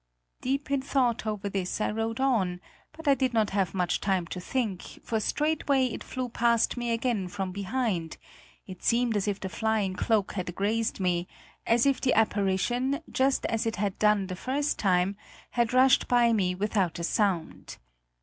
Deep in thought over this I rode on, but I did not have much time to think, for straightway it flew past me again from behind; it seemed as if the flying cloak had grazed me, as if the apparition, just as it had done the first time, had rushed by me without a sound.